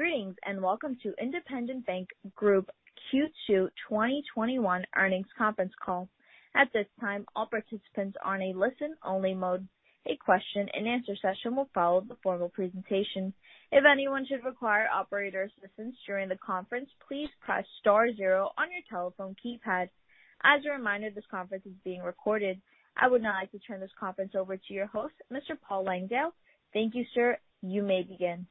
Greetings, welcome to Independent Bank Group Q2 2021 earnings conference call. At this time, all participants are in a listen-only mode. A question and answer session will follow the formal presentation. If anyone should require operator assistance during the conference, please press star zero on your telephone keypad. As a reminder, this conference is being recorded. I would now like to turn this conference over to your host, Mr. Paul Langdale. Thank you, sir. You may begin.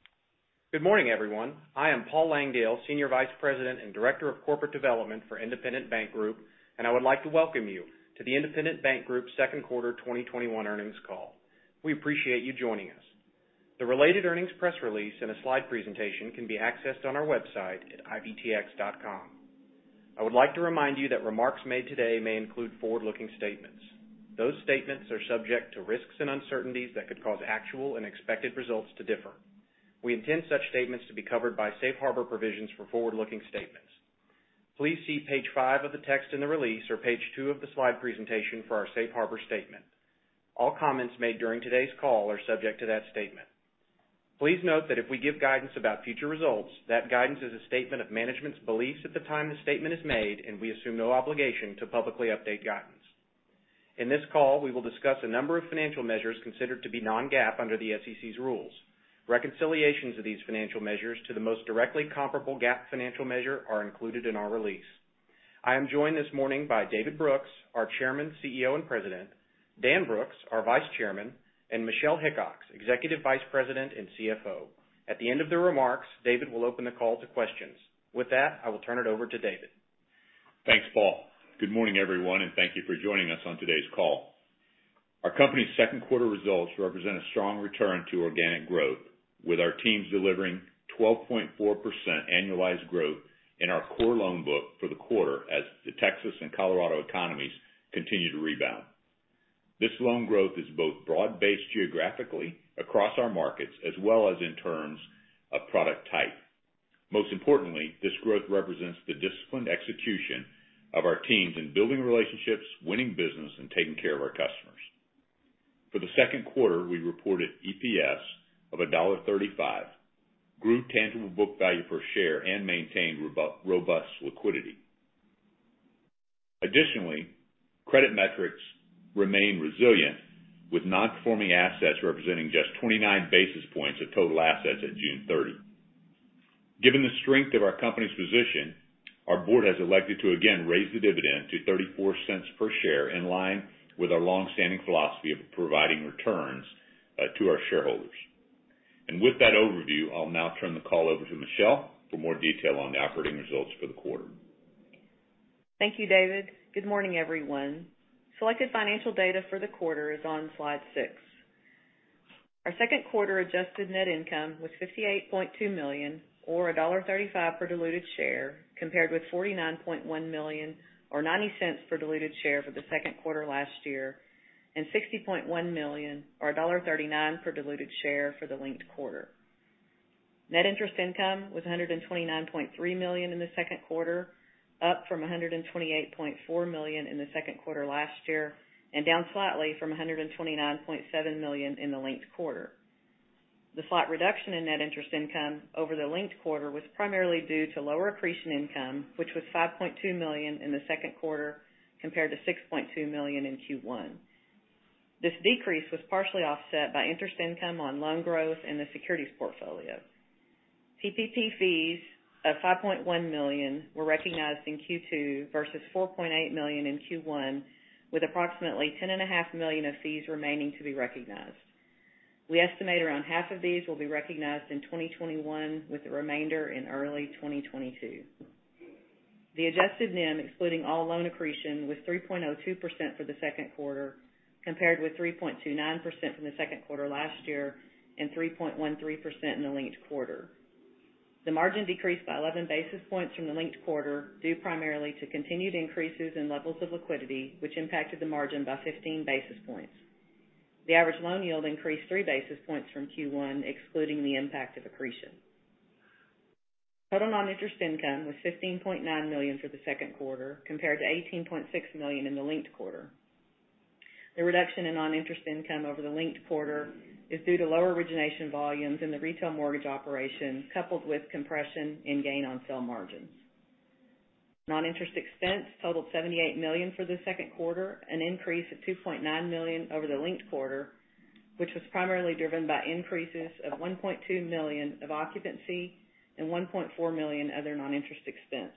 Good morning, everyone. I am Paul Langdale, Senior Vice President and Director of Corporate Development for Independent Bank Group. I would like to welcome you to the Independent Bank Group second quarter 2021 earnings call. We appreciate you joining us. The related earnings press release and a slide presentation can be accessed on our website at ibtx.com. I would like to remind you that remarks made today may include forward-looking statements. Those statements are subject to risks and uncertainties that could cause actual and expected results to differ. We intend such statements to be covered by safe harbor provisions for forward-looking statements. Please see page five of the text in the release or page two of the slide presentation for our safe harbor statement. All comments made during today's call are subject to that statement. Please note that if we give guidance about future results, that guidance is a statement of management's beliefs at the time the statement is made, and we assume no obligation to publicly update guidance. In this call, we will discuss a number of financial measures considered to be non-GAAP under the SEC's rules. Reconciliations of these financial measures to the most directly comparable GAAP financial measure are included in our release. I am joined this morning by David Brooks, our Chairman, CEO, and President, Daniel Brooks, our Vice Chairman, and Michelle Hickox, Executive Vice President and CFO. At the end of the remarks, David will open the call to questions. With that, I will turn it over to David. Thanks, Paul. Good morning, everyone, and thank you for joining us on today's call. Our company's second quarter results represent a strong return to organic growth, with our teams delivering 12.4% annualized growth in our core loan book for the quarter as the Texas and Colorado economies continue to rebound. This loan growth is both broad-based geographically across our markets, as well as in terms of product type. Most importantly, this growth represents the disciplined execution of our teams in building relationships, winning business, and taking care of our customers. For the second quarter, we reported EPS of $1.35, grew tangible book value per share, and maintained robust liquidity. Additionally, credit metrics remain resilient, with non-performing assets representing just 29 basis points of total assets at June 30. Given the strength of our company's position, our board has elected to again raise the dividend to $0.34 per share, in line with our longstanding philosophy of providing returns to our shareholders. With that overview, I'll now turn the call over to Michelle for more detail on the operating results for the quarter. Thank you, David. Good morning, everyone. Selected financial data for the quarter is on slide 6. Our second quarter adjusted net income was $58.2 million, or $1.35 per diluted share, compared with $49.1 million or $0.90 per diluted share for the second quarter last year and $60.1 million or $1.39 per diluted share for the linked quarter. Net interest income was $129.3 million in the second quarter, up from $128.4 million in the second quarter last year and down slightly from $129.7 million in the linked quarter. The slight reduction in net interest income over the linked quarter was primarily due to lower accretion income, which was $5.2 million in the second quarter compared to $6.2 million in Q1. This decrease was partially offset by interest income on loan growth in the securities portfolio. PPP fees of $5.1 million were recognized in Q2 versus $4.8 million in Q1, with approximately $10.5 million of fees remaining to be recognized. We estimate around half of these will be recognized in 2021, with the remainder in early 2022. The adjusted NIM, excluding all loan accretion, was 3.02% for the second quarter, compared with 3.29% from the second quarter last year and 3.13% in the linked quarter. The margin decreased by 11 basis points from the linked quarter, due primarily to continued increases in levels of liquidity, which impacted the margin by 15 basis points. The average loan yield increased three basis points from Q1, excluding the impact of accretion. Total non-interest income was $15.9 million for the second quarter, compared to $18.6 million in the linked quarter. The reduction in non-interest income over the linked quarter is due to lower origination volumes in the retail mortgage operation, coupled with compression in gain on sale margins. Non-interest expense totaled $78 million for the second quarter, an increase of $2.9 million over the linked quarter, which was primarily driven by increases of $1.2 million of occupancy and $1.4 million other non-interest expense.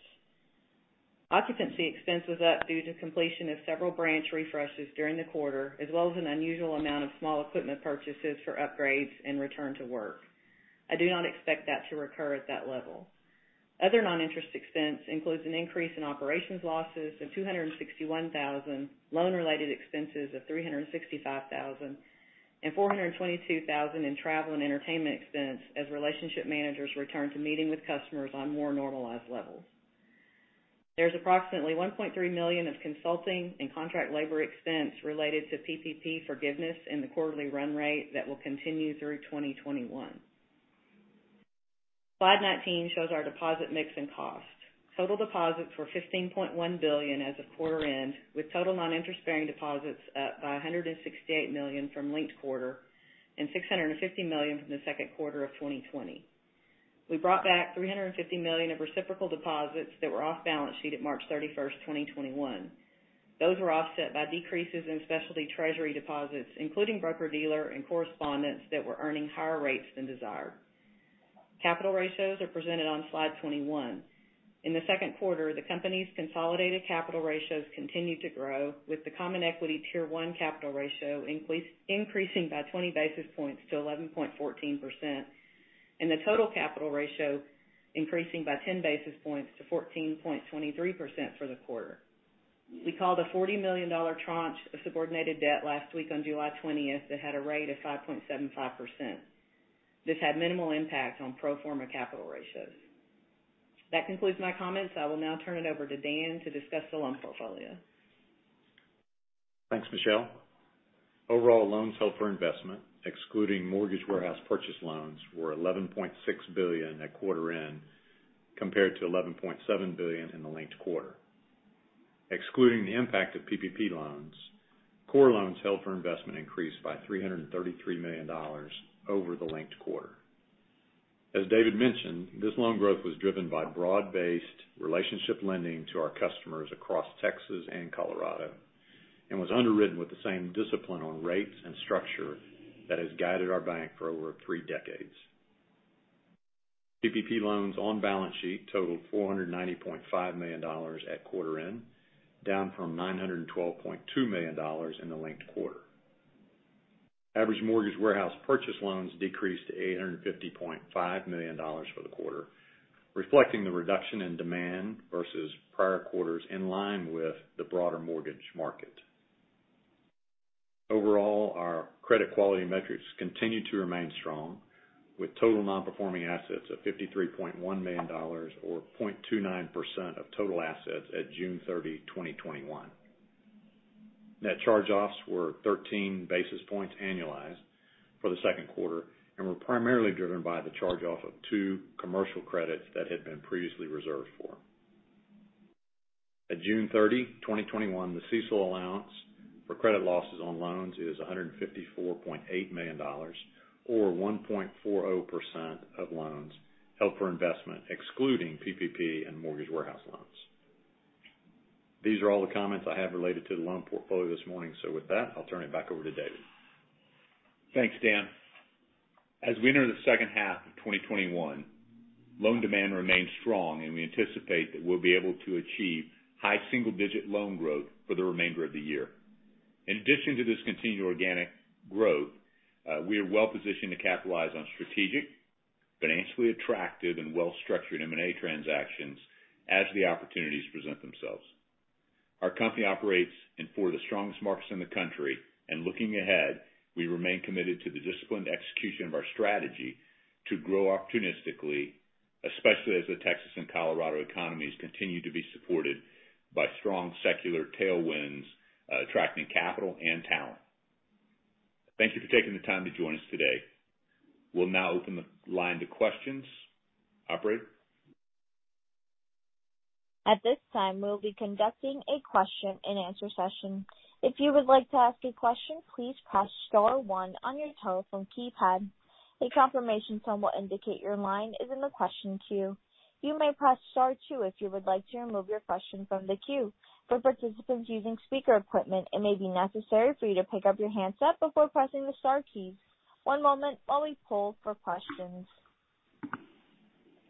Occupancy expense was up due to completion of several branch refreshes during the quarter, as well as an unusual amount of small equipment purchases for upgrades and return to work. I do not expect that to recur at that level. Other non-interest expense includes an increase in operations losses of $261,000, loan-related expenses of $365,000 and $422,000 in travel and entertainment expense as relationship managers return to meeting with customers on more normalized levels. There's approximately $1.3 million of consulting and contract labor expense related to PPP forgiveness in the quarterly run rate that will continue through 2021. Slide 19 shows our deposit mix and cost. Total deposits were $15.1 billion as of quarter end, with total non-interest-bearing deposits up by $168 million from linked quarter and $650 million from the second quarter of 2020. We brought back $350 million of reciprocal deposits that were off balance sheet at March 31st, 2021. Those were offset by decreases in specialty treasury deposits, including broker-dealer and correspondents that were earning higher rates than desired. Capital ratios are presented on slide 21. In the second quarter, the company's consolidated capital ratios continued to grow with the Common Equity Tier 1 capital ratio increasing by 20 basis points to 11.14%, and the total capital ratio increasing by 10 basis points to 14.23% for the quarter. We called a $40 million tranche of subordinated debt last week on July 20th that had a rate of 5.75%. This had minimal impact on pro forma capital ratios. That concludes my comments. I will now turn it over to Dan to discuss the loan portfolio. Thanks, Michelle. Overall loans held for investment, excluding mortgage warehouse purchase loans, were $11.6 billion at quarter end, compared to $11.7 billion in the linked quarter. Excluding the impact of PPP loans, core loans held for investment increased by $333 million over the linked quarter. As David mentioned, this loan growth was driven by broad-based relationship lending to our customers across Texas and Colorado, and was underwritten with the same discipline on rates and structure that has guided our bank for over three decades. PPP loans on balance sheet totaled $490.5 million at quarter end, down from $912.2 million in the linked quarter. Average mortgage warehouse purchase loans decreased to $850.5 million for the quarter, reflecting the reduction in demand versus prior quarters in line with the broader mortgage market. Our credit quality metrics continue to remain strong, with total non-performing assets of $53.1 million, or 0.29% of total assets at June 30, 2021. Net charge-offs were 13 basis points annualized for the second quarter, were primarily driven by the charge-off of two commercial credits that had been previously reserved for. At June 30, 2021, the CECL allowance for credit losses on loans is $154.8 million, or 1.40% of loans held for investment, excluding PPP and mortgage warehouse loans. These are all the comments I have related to the loan portfolio this morning. With that, I'll turn it back over to David. Thanks, Dan. As we enter the second half of 2021, loan demand remains strong and we anticipate that we'll be able to achieve high single-digit loan growth for the remainder of the year. In addition to this continued organic growth, we are well positioned to capitalize on strategic, financially attractive, and well-structured M&A transactions as the opportunities present themselves. Our company operates in four of the strongest markets in the country. Looking ahead, we remain committed to the disciplined execution of our strategy to grow opportunistically, especially as the Texas and Colorado economies continue to be supported by strong secular tailwinds attracting capital and talent. Thank you for taking the time to join us today. We'll now open the line to questions. Operator? At this time, we'll be conducting a question and answer session. If you would like to ask a question, please press star one on your telephone keypad. A confirmation tone will indicate your line is in the question queue. You may press star two if you would like to remove your question from the queue. For participants using speaker equipment, it may be necessary for you to pick up your handset before pressing the star keys. One moment while we poll for questions.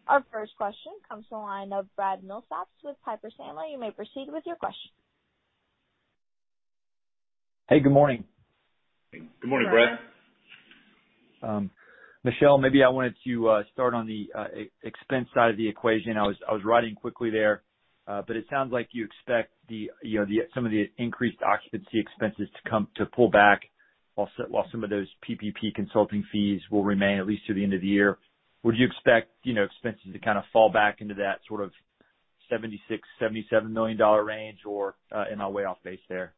Our first question comes from the line of Brad Milsaps with Piper Sandler. You may proceed with your question. Hey, good morning. Good morning, Brad. Michelle, maybe I wanted to start on the expense side of the equation. I was running quickly there. It sounds like you expect some of the increased occupancy expenses to pull back while some of those PPP consulting fees will remain at least through the end of the year. Would you expect expenses to kind of fall back into that sort of $76 million, $77 million range, or am I way off base there?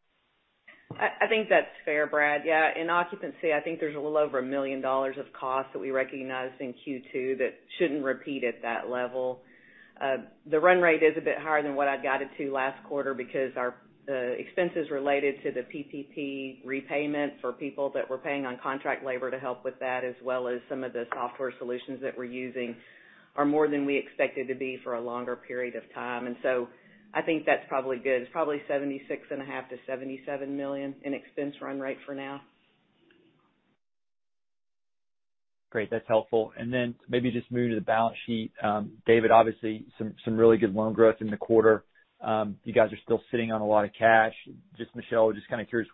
I think that's fair, Brad. Yeah. In occupancy, I think there's a little over $1 million of costs that we recognized in Q2 that shouldn't repeat at that level. The run rate is a bit higher than what I'd guided to last quarter because our expenses related to the PPP repayment for people that were paying on contract labor to help with that, as well as some of the software solutions that we're using are more than we expected to be for a longer period of time. I think that's probably good. It's probably $76.5 million-$77 million in expense run rate for now. Great. That's helpful. Maybe just moving to the balance sheet. David, obviously some really good loan growth in the quarter. You guys are still sitting on a lot of cash. Michelle, just kind of curious,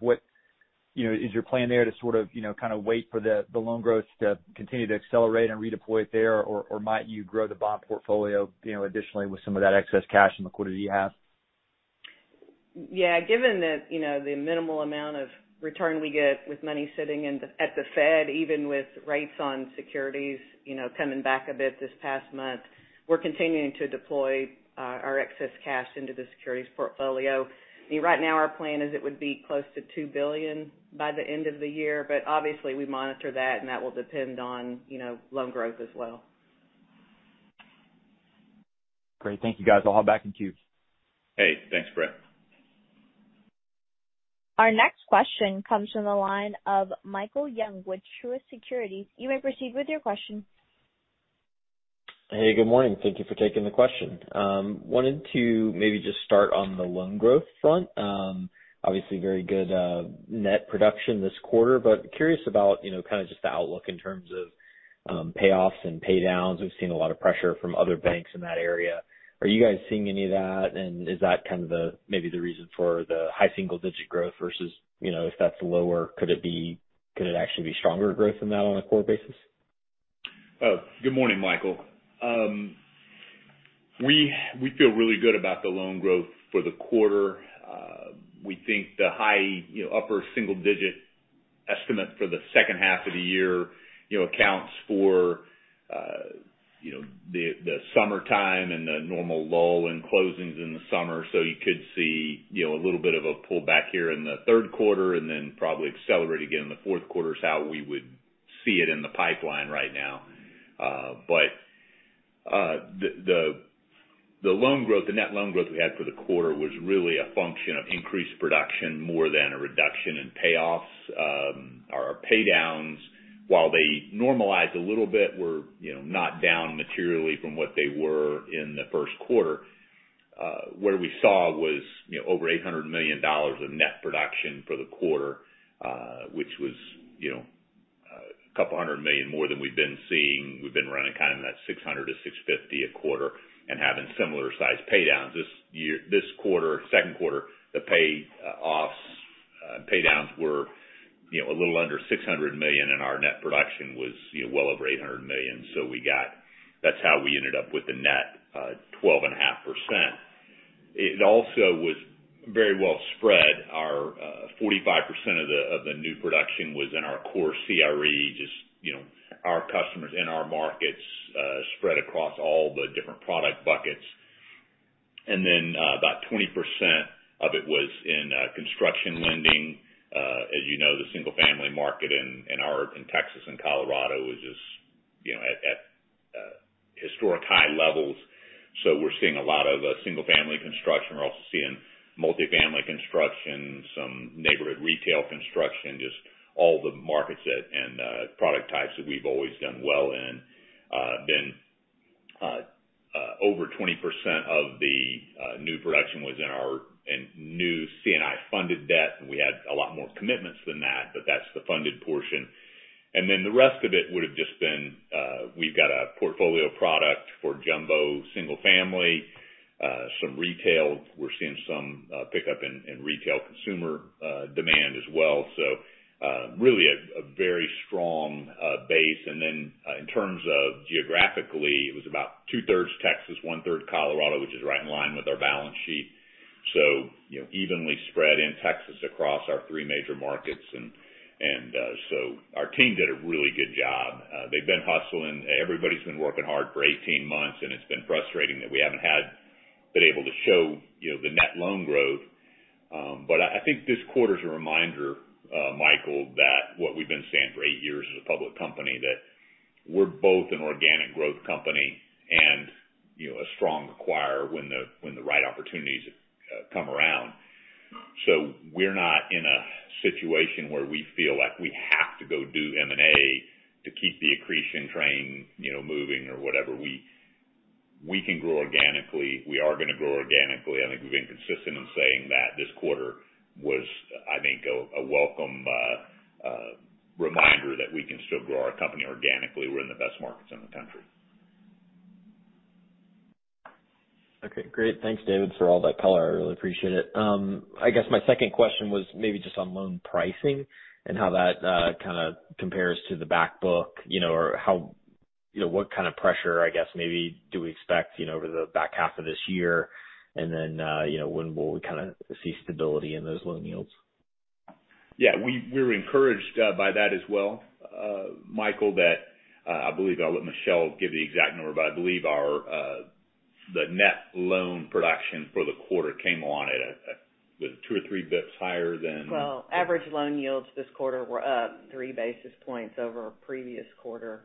is your plan there to sort of wait for the loan growth to continue to accelerate and redeploy it there? Might you grow the bond portfolio additionally with some of that excess cash in the quarter that you have? Yeah. Given that the minimal amount of return we get with money sitting at the Fed, even with rates on securities coming back a bit this past month, we're continuing to deploy our excess cash into the securities portfolio. Right now, our plan is it would be close to $2 billion by the end of the year, but obviously we monitor that, and that will depend on loan growth as well. Great. Thank you guys. I'll hop back in queue. Hey, thanks Brad. Our next question comes from the line of Michael Young with Truist Securities. You may proceed with your question. Hey, good morning. Thank you for taking the question. I wanted to maybe just start on the loan growth front. Obviously, very good net production this quarter, but curious about just the outlook in terms of payoffs and pay downs. We've seen a lot of pressure from other banks in that area. Are you guys seeing any of that? Is that maybe the reason for the high single-digit growth versus, if that's lower, could it actually be stronger growth than that on a core basis? Good morning, Michael. We feel really good about the loan growth for the quarter. We think the high upper single-digit estimate for the second half of the year accounts for the summertime and the normal lull in closings in the summer. You could see a little bit of a pullback here in the third quarter and then probably accelerate again in the fourth quarter, is how we would see it in the pipeline right now. The net loan growth we had for the quarter was really a function of increased production more than a reduction in payoffs. Our pay downs, while they normalized a little bit, were not down materially from what they were in the first quarter. What we saw was over $800 million of net production for the quarter, which was $200 million more than we've been seeing. We've been running kind of in that $600 million to $650 million a quarter and having similar size paydowns. This quarter, second quarter, the payoffs, paydowns were a little under $600 million, our net production was well over $800 million. That's how we ended up with the net 12.5%. It also was very well spread. 45% of the new production was in our core CRE, just our customers in our markets spread across all the different product buckets. About 20% of it was in construction lending. As you know, the single-family market in Texas and Colorado is just at historic high levels. We're seeing a lot of single-family construction. We're also seeing multi-family construction, some neighborhood retail construction, just all the markets and product types that we've always done well in. Over 20% of the new production was in new C&I funded debt, and we had a lot more commitments than that, but that's the funded portion. The rest of it would've just been, we've got a portfolio product for jumbo single family, some retail. We're seeing some pickup in retail consumer demand as well. Really a very strong base. In terms of geographically, it was about two-thirds Texas, one-third Colorado, which is right in line with our balance sheet. Evenly spread in Texas across our three major markets our team did a really good job. They've been hustling. Everybody's been working hard for 18 months, and it's been frustrating that we haven't been able to show the net loan growth. I think this quarter's a reminder, Michael, that what we've been saying for eight years as a public company, that we're both an organic growth company and a strong acquirer when the right opportunities come around. We're not in a situation where we feel like we have to go do M&A to keep the accretion train moving or whatever. We can grow organically. We are going to grow organically. I think we've been consistent in saying that. This quarter was, I think, a welcome reminder that we can still grow our company organically. We're in the best markets in the country. Okay, great. Thanks, David, for all that color. I really appreciate it. I guess my second question was maybe just on loan pricing and how that kind of compares to the back book, or what kind of pressure, I guess, maybe do we expect over the back half of this year? When will we see stability in those loan yields? Yeah. We're encouraged by that as well, Michael. I believe I'll let Michelle give the exact number, but I believe the net loan production for the quarter came on at two or three bips higher. Well, average loan yields this quarter were up three basis points over our previous quarter.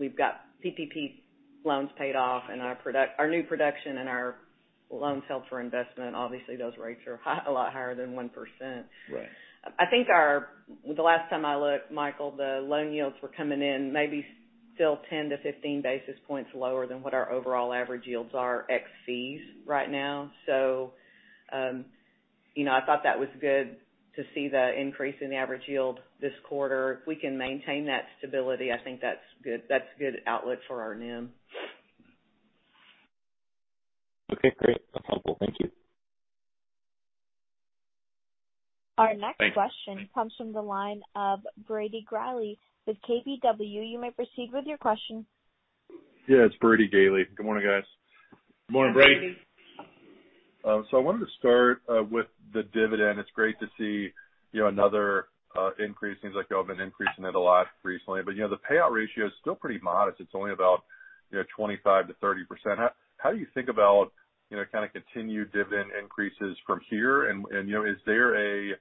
We've got PPP loans paid off and our new production and our loans held for investment, obviously those rates are a lot higher than 1%. Right. I think the last time I looked, Michael, the loan yields were coming in maybe still 10-15 basis points lower than what our overall average yields are ex fees right now. I thought that was good to see the increase in the average yield this quarter. If we can maintain that stability, I think that's good outlook for our NIM. Okay, great. That's helpful. Thank you. Our next question comes from the line of Brody Preston with KBW. You may proceed with your question. Yeah, it's Brody Preston. Good morning, guys. Morning, Brody. Morning, Brody. I wanted to start with the dividend. It's great to see another increase. Seems like y'all have been increasing it a lot recently. The payout ratio is still pretty modest. It's only about 25%-30%. How do you think about kind of continued dividend increases from here? Is there a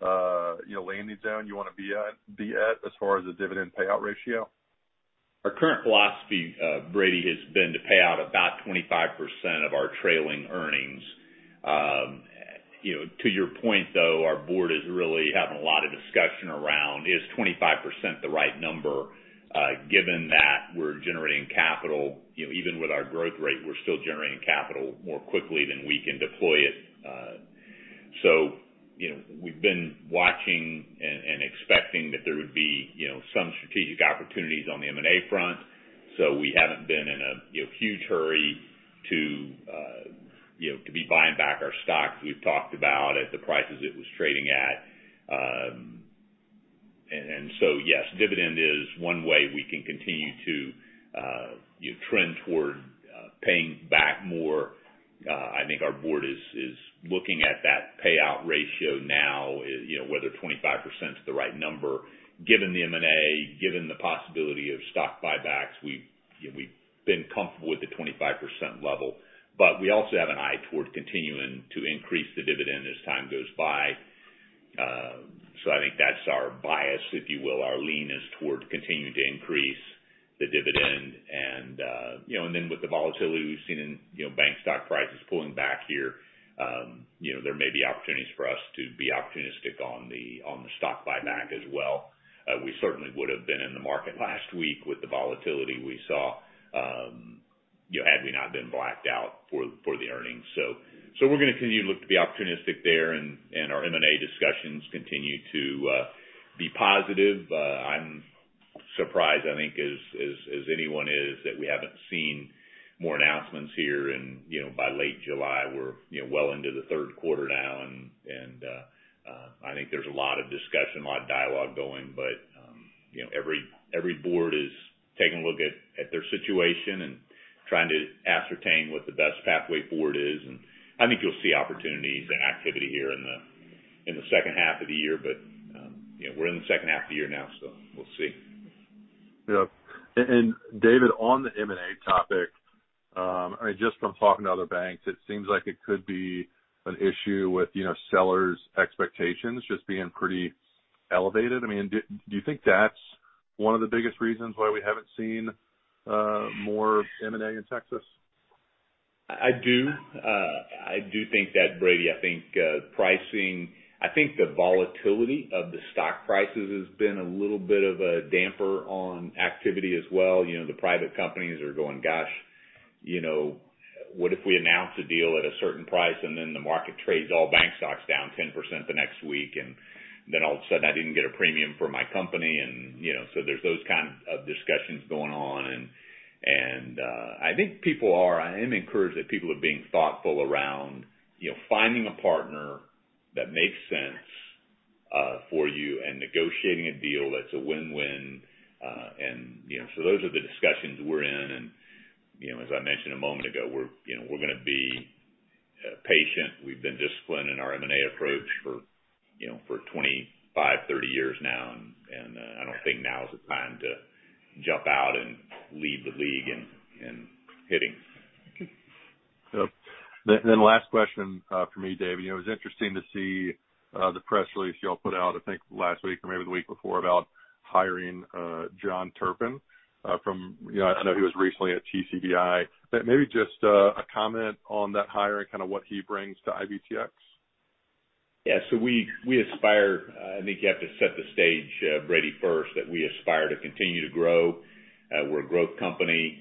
landing zone you want to be at as far as the dividend payout ratio? Our current philosophy, Brody Preston, has been to pay out about 25% of our trailing earnings. To your point, though, our board is really having a lot of discussion around, is 25% the right number, given that we're generating capital. Even with our growth rate, we're still generating capital more quickly than we can deploy it. We've been watching and expecting that there would be some strategic opportunities on the M&A front. We haven't been in a huge hurry to be buying back our stock, as we've talked about at the prices it was trading at. Yes, dividend is one way we can continue to trend toward paying back more. I think our board is looking at that payout ratio now, whether 25% is the right number. Given the M&A, given the possibility of stock buybacks, we've been comfortable with the 25% level. We also have an eye toward continuing to increase the dividend as time goes by. I think that's our bias, if you will. Our lean is toward continuing to increase the dividend. With the volatility we've seen in bank stock prices pulling back here, there may be opportunities for us to be opportunistic on the stock buyback as well. We certainly would've been in the market last week with the volatility we saw, had we not been blacked out for the earnings. We're going to continue to look to be opportunistic there, and our M&A discussions continue to be positive. I'm surprised, I think, as anyone is, that we haven't seen more announcements here. By late July, we're well into the third quarter now, and I think there's a lot of discussion, a lot of dialogue going. Every board is taking a look at their situation and trying to ascertain what the best pathway forward is. I think you'll see opportunities and activity here in the second half of the year. We're in the second half of the year now, so we'll see. Yeah. David, on the M&A topic, just from talking to other banks, it seems like it could be an issue with sellers' expectations just being pretty elevated. Do you think that's one of the biggest reasons why we haven't seen more M&A in Texas? I do. I do think that, Brody. I think the volatility of the stock prices has been a little bit of a damper on activity as well. The private companies are going, gosh, what if we announce a deal at a certain price and then the market trades all bank stocks down 10% the next week, and then all of a sudden I didn't get a premium for my company? There's those kinds of discussions going on. I am encouraged that people are being thoughtful around finding a partner that makes sense for you and negotiating a deal that's a win-win. Those are the discussions we're in. As I mentioned a moment ago, we're going to be patient. We've been disciplined in our M&A approach for 25, 30 years now, and I don't think now is the time to jump out and leave the league in hitting. Okay. Last question from me, David. It was interesting to see the press release you all put out, I think last week or maybe the week before, about hiring John Turpen. I know he was recently at TCBI. Maybe just a comment on that hire and kind of what he brings to IBTX. Yeah. I think you have to set the stage, Brody, first, that we aspire to continue to grow. We're a growth company.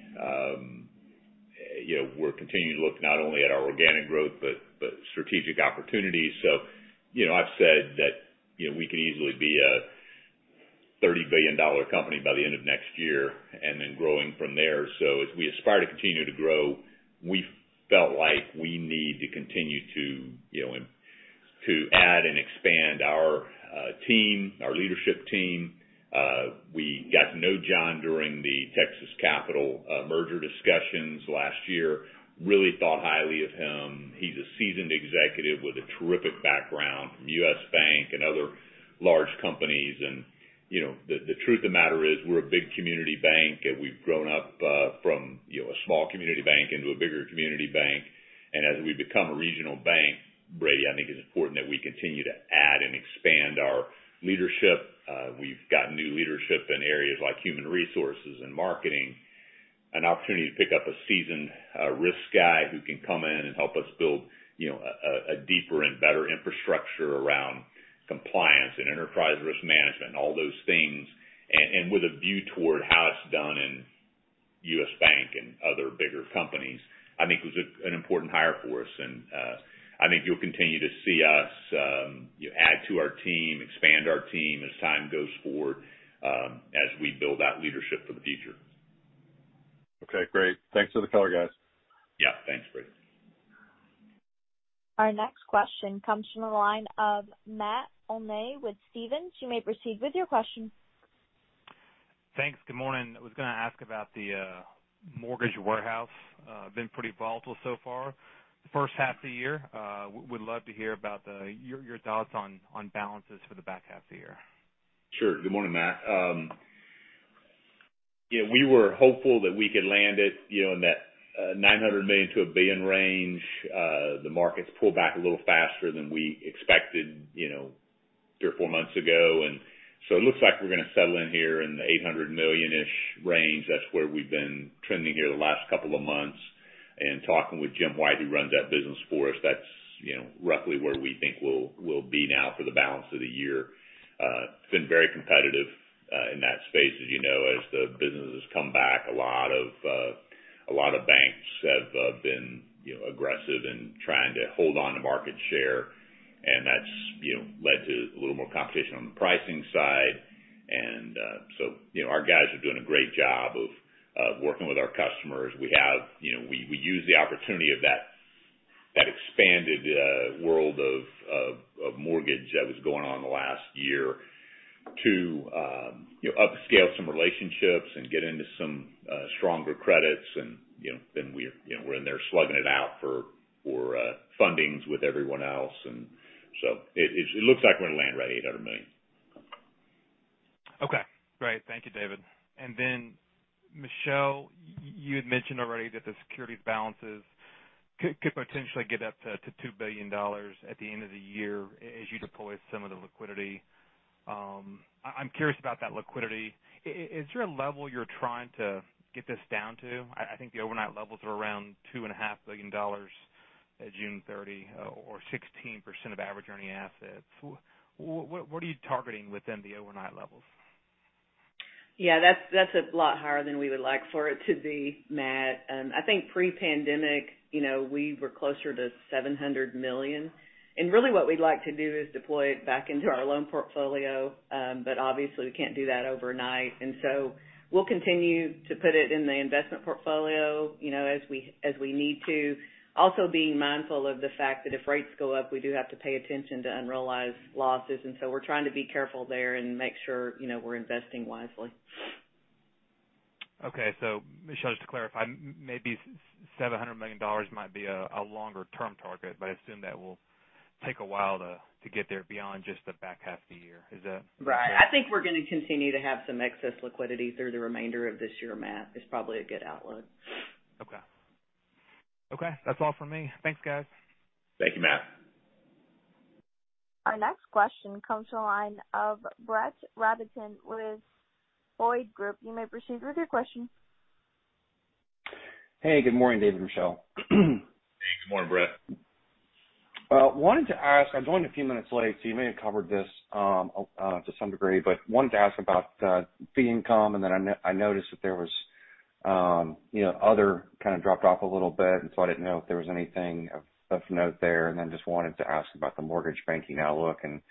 We're continuing to look not only at our organic growth, but strategic opportunities. I've said that we could easily be a $30 billion company by the end of next year, and then growing from there. As we aspire to continue to grow, we felt like we need to continue to add and expand our leadership team. We got to know John during the Texas Capital Bancshares merger discussions last year. Really thought highly of him. He's a seasoned executive with a terrific background from U.S. Bank and other large companies. The truth of the matter is, we're a big community bank, and we've grown up from a small community bank into a bigger community bank. As we become a regional bank, Brody, I think it's important that we continue to add and expand our leadership. We've got new leadership in areas like human resources and marketing. An opportunity to pick up a seasoned risk guy who can come in and help us build a deeper and better infrastructure around compliance and enterprise risk management and all those things, and with a view toward how it's done in U.S. Bank and other bigger companies, I think was an important hire for us. I think you'll continue to see us add to our team, expand our team as time goes forward as we build that leadership for the future. Okay, great. Thanks for the color, guys. Yeah. Thanks, Brody. Our next question comes from the line of Matt Olney with Stephens. You may proceed with your question. Thanks. Good morning. I was going to ask about the mortgage warehouse. It's been pretty volatile so far the first half of the year. I would love to hear about your thoughts on balances for the back half of the year. Sure. Good morning, Matt Olney. We were hopeful that we could land it in that $900 million-$1 billion range. The market's pulled back a little faster than we expected three or four months ago. It looks like we're going to settle in here in the $800 million-ish range. That's where we've been trending here the last couple of months. Talking with Jim White, who runs that business for us, that's roughly where we think we'll be now for the balance of the year. It's been very competitive in that space as you know, as the business has come back, a lot of banks have been aggressive in trying to hold onto market share. That's led to a little more competition on the pricing side. Our guys are doing a great job of working with our customers. We use the opportunity of that expanded world of mortgage that was going on in the last year to upscale some relationships and get into some stronger credits. Then we're in there slugging it out for fundings with everyone else. So it looks like we're going to land right at $800 million. Okay, great. Thank you, David. Michelle, you had mentioned already that the securities balances could potentially get up to $2 billion at the end of the year as you deploy some of the liquidity. I'm curious about that liquidity. Is there a level you're trying to get this down to? I think the overnight levels are around $2.5 billion at June 30, or 16% of average earning assets. What are you targeting within the overnight levels? Yeah, that's a lot higher than we would like for it to be, Matt. I think pre-pandemic, we were closer to $700 million. Really what we'd like to do is deploy it back into our loan portfolio. Obviously, we can't do that overnight. We'll continue to put it in the investment portfolio as we need to. Also being mindful of the fact that if rates go up, we do have to pay attention to unrealized losses. We're trying to be careful there and make sure we're investing wisely. Okay. Michelle, just to clarify, maybe $700 million might be a longer-term target, but I assume that will take a while to get there beyond just the back half of the year. Right. I think we're going to continue to have some excess liquidity through the remainder of this year, Matt. It's probably a good outlook. Okay. That's all from me. Thanks, guys. Thank you, Matt. Our next question comes to the line of Brett Rabatin with Hovde Group. You may proceed with your question. Hey, good morning, David and Michelle. Hey, good morning, Brett. Wanted to ask, I joined a few minutes late, so you may have covered this to some degree, but wanted to ask about fee income, and then I noticed that there was other kind of dropped off a little bit, and so I didn't know if there was anything of note there. And then just wanted to ask about the mortgage banking outlook and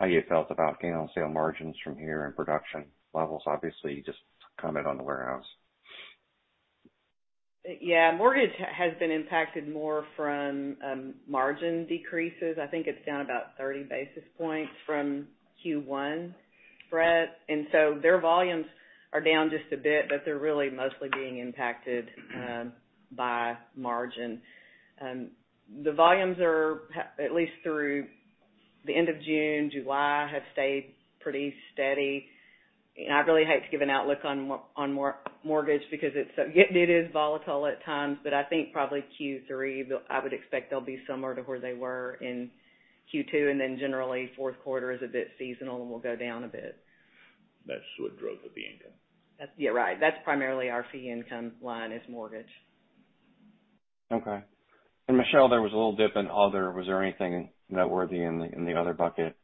how you felt about gain on sale margins from here and production levels. Obviously, you just commented on the warehouse. Yeah. Mortgage has been impacted more from margin decreases. I think it's down about 30 basis points from Q1, Brett. Their volumes are down just a bit, but they're really mostly being impacted by margin. The volumes are, at least through the end of June, July, have stayed pretty steady. I really hate to give an outlook on mortgage because it is volatile at times, but I think probably Q3, I would expect they'll be similar to where they were in Q2, and then generally fourth quarter is a bit seasonal and will go down a bit. That's what drove the fee income. Yeah, right. That's primarily our fee income line is mortgage. Okay. Michelle, there was a little dip in other. Was there anything noteworthy in the other bucket?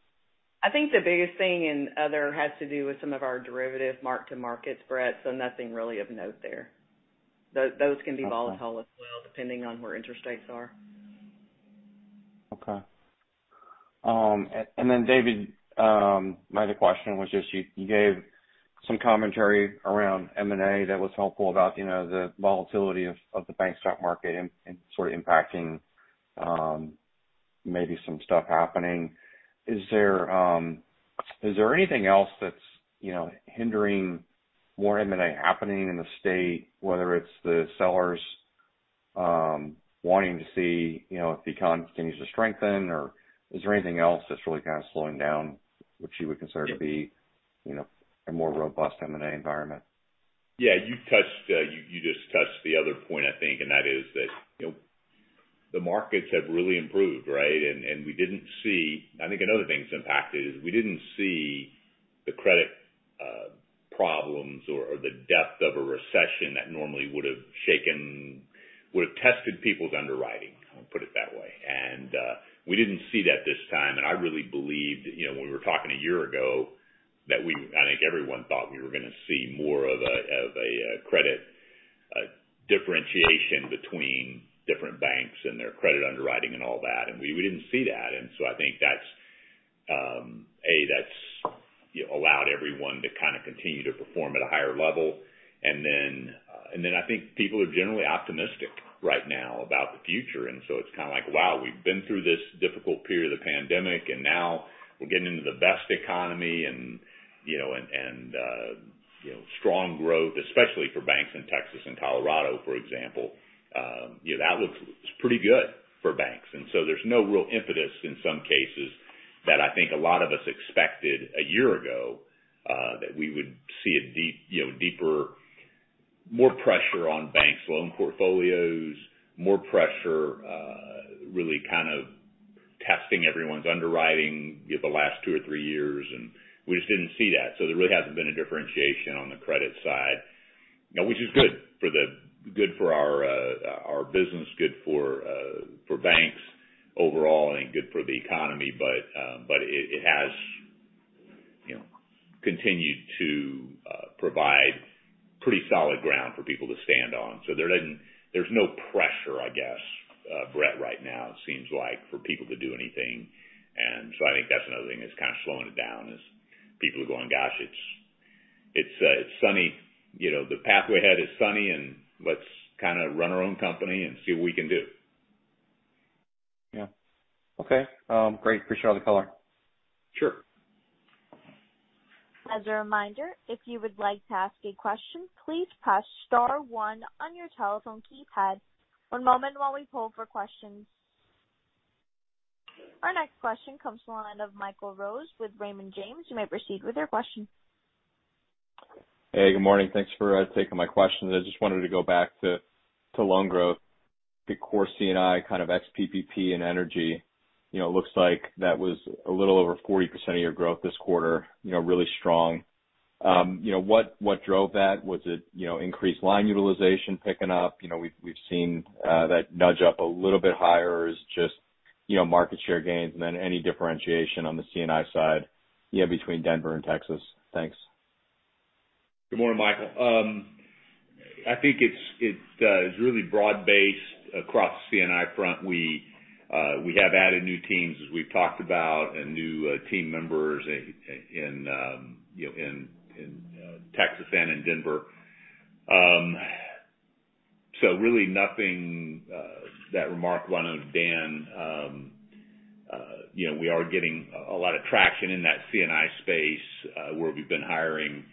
I think the biggest thing in other has to do with some of our derivative mark to markets, Brett. Nothing really of note there. Those can be volatile as well, depending on where interest rates are. Okay. David, my other question was just you gave some commentary around M&A that was helpful about the volatility of the bank stock market and sort of impacting maybe some stuff happening. Is there anything else that's hindering more M&A happening in the state, whether it's the sellers wanting to see if the economy continues to strengthen, or is there anything else that's really kind of slowing down, which you would consider to be a more robust M&A environment? Yeah, you just touched the other point, I think, and that is that the markets have really improved, right? I think another thing that's impacted is we didn't see the credit problems or the depth of a recession that normally would've shaken, would've tested people's underwriting, I'll put it that way. We didn't see that this time. I really believed when we were talking a year ago, I think everyone thought we were going to see more of a credit differentiation between different banks and their credit underwriting and all that. We didn't see that. I think that's, A, that's allowed everyone to kind of continue to perform at a higher level. I think people are generally optimistic right now about the future. It's kind of like, wow, we've been through this difficult period of the pandemic, and now we're getting into the best economy and strong growth, especially for banks in Texas and Colorado, for example. That looks pretty good for banks. There's no real impetus in some cases that I think a lot of us expected a year ago, that we would see a deeperMore pressure on banks' loan portfolios, more pressure really kind of testing everyone's underwriting the last two or three years, and we just didn't see that. There really hasn't been a differentiation on the credit side, which is good for our business, good for banks overall, and good for the economy. It has continued to provide pretty solid ground for people to stand on. There's no pressure, I guess, Brett, right now, it seems like, for people to do anything. I think that's another thing that's kind of slowing it down is people are going, gosh, it's sunny. The pathway ahead is sunny, and let's kind of run our own company and see what we can do. Yeah. Okay. Great. Appreciate all the color. Sure. As a reminder, if you would like to ask a question, please press star one on your telephone keypad. One moment while we poll for questions. Our next question comes to the line of Michael Rose with Raymond James. You may proceed with your question. Hey, good morning. Thanks for taking my questions. I just wanted to go back to loan growth, the core C&I kind of ex-PPP and energy. It looks like that was a little over 40% of your growth this quarter, really strong. Yeah. What drove that? Was it increased line utilization picking up? We've seen that nudge up a little bit higher as just market share gains, and then any differentiation on the C&I side between Denver and Texas? Thanks. Good morning, Michael. I think it's really broad-based across the C&I front. We have added new teams, as we've talked about, and new team members in Texas and in Denver. Really nothing that remarkable. I know, Dan, we are getting a lot of traction in that C&I space, where we've been hiring.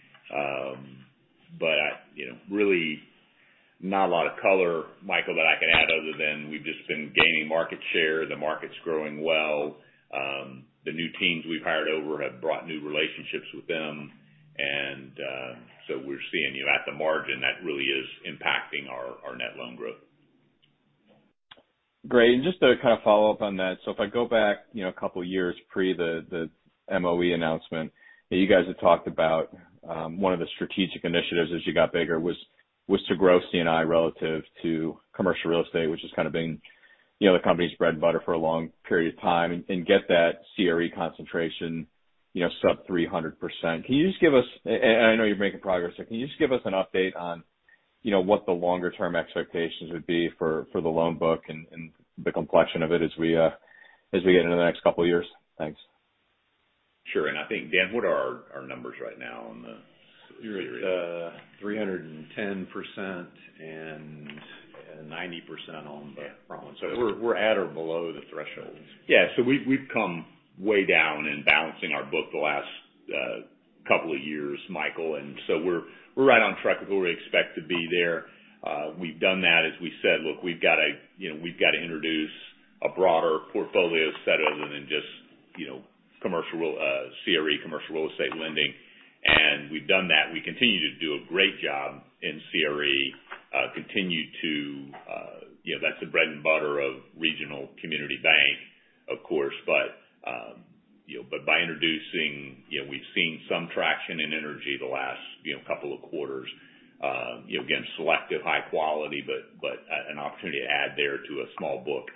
Really not a lot of color, Michael, that I can add other than we've just been gaining market share. The market's growing well. The new teams we've hired over have brought new relationships with them, and so we're seeing at the margin, that really is impacting our net loan growth. Great. Just to kind of follow up on that, if I go back a couple of years pre the MOE announcement, you guys had talked about one of the strategic initiatives as you got bigger was to grow C&I relative to commercial real estate, which has kind of been the company's bread and butter for a long period of time, and get that CRE concentration sub 300%. Can you just, and I know you're making progress, but can you just give us an update on what the longer term expectations would be for the loan book and the complexion of it as we get into the next couple of years? Thanks. Sure. I think, Dan, what are our numbers right now on the CRE? 310% and 90% on the front one. We're at or below the thresholds. Yeah. We've come way down in balancing our book the last couple of years, Michael, and so we're right on track of where we expect to be there. We've done that, as we said. Look, we've got to introduce a broader portfolio set other than just CRE, commercial real estate lending, and we've done that. We continue to do a great job in CRE. That's the bread and butter of regional community bank, of course. By introducing-- we've seen some traction in energy the last couple of quarters. Again, selective high quality, but an opportunity to add there to a small book.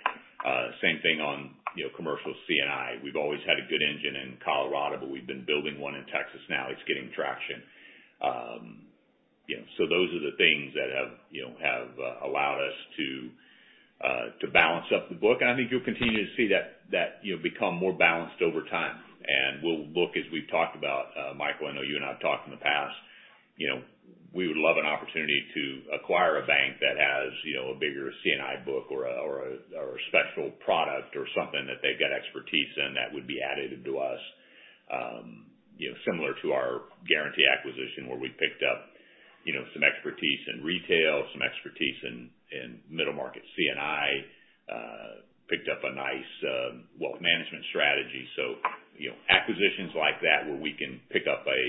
Same thing on commercial C&I. We've always had a good engine in Colorado, but we've been building one in Texas now. It's getting traction. Those are the things that have allowed us to balance up the book, and I think you'll continue to see that become more balanced over time. We'll look, as we've talked about, Michael Rose, I know you and I have talked in the past, we would love an opportunity to acquire a bank that has a bigger C&I book or a special product or something that they've got expertise in that would be additive to us. Similar to our Guaranty acquisition, where we picked up some expertise in retail, some expertise in middle market C&I, picked up a nice wealth management strategy. Acquisitions like that where we can pick up a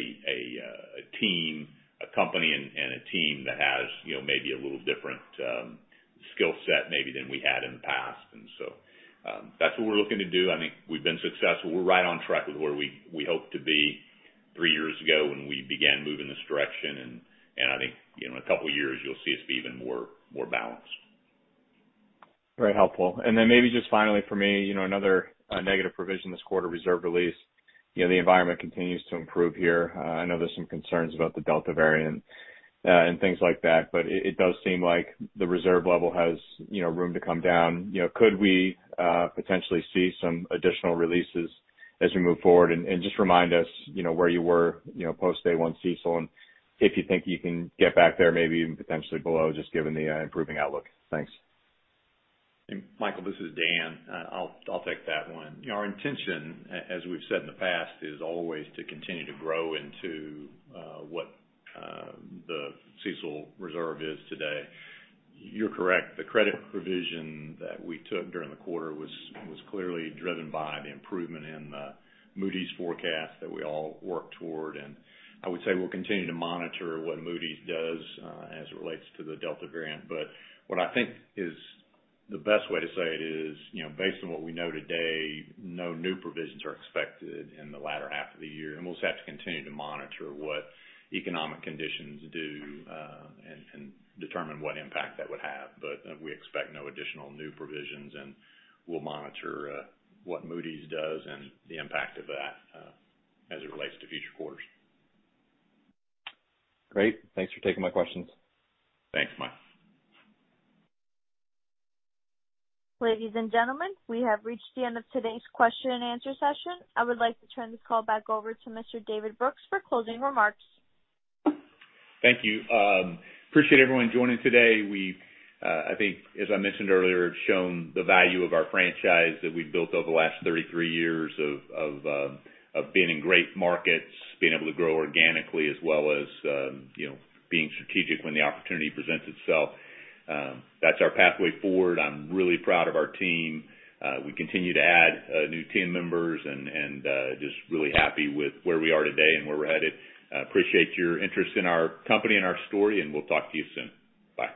company and a team that has maybe a little different skill set, maybe, than we had in the past. That's what we're looking to do. I think we've been successful. We're right on track with where we hoped to be three years ago when we began moving this direction, and I think in a couple of years, you'll see us be even more balanced. Very helpful. Maybe just finally for me, another negative provision this quarter, reserve release. The environment continues to improve here. I know there's some concerns about the Delta variant and things like that, but it does seem like the reserve level has room to come down. Could we potentially see some additional releases as we move forward? Just remind us where you were post day 1 CECL, and if you think you can get back there, maybe even potentially below, just given the improving outlook. Thanks. Michael, this is Dan. I'll take that one. Our intention, as we've said in the past, is always to continue to grow into what the CECL reserve is today. You're correct, the credit provision that we took during the quarter was clearly driven by the improvement in the Moody's forecast that we all worked toward. I would say we'll continue to monitor what Moody's does as it relates to the Delta variant. What I think is the best way to say it is, based on what we know today, no new provisions are expected in the latter half of the year, and we'll just have to continue to monitor what economic conditions do and determine what impact that would have. We expect no additional new provisions, and we'll monitor what Moody's does and the impact of that as it relates to future quarters. Great. Thanks for taking my questions. Thanks, Michael. Ladies and gentlemen, we have reached the end of today's question and answer session. I would like to turn this call back over to Mr. David Brooks for closing remarks. Thank you. Appreciate everyone joining today. We've, I think, as I mentioned earlier, shown the value of our franchise that we've built over the last 33 years of being in great markets, being able to grow organically as well as being strategic when the opportunity presents itself. That's our pathway forward. I'm really proud of our team. We continue to add new team members and just really happy with where we are today and where we're headed. Appreciate your interest in our company and our story, and we'll talk to you soon. Bye.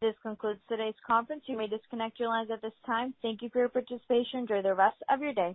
This concludes today's conference. You may disconnect your lines at this time. Thank you for your participation. Enjoy the rest of your day.